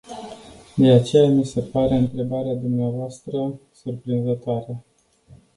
De aceea mi se pare întrebarea dvs.. surprinzătoare.